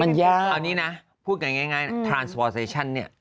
เอานี้นะพูดกันง่ายทรานสฟอร์เซชั่นเนี่ย